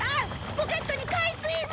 ポケットに海水が！